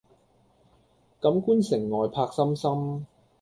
錦官城外柏森森